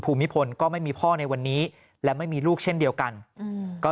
ภูมิพลก็ไม่มีพ่อในวันนี้และไม่มีลูกเช่นเดียวกันอืมก็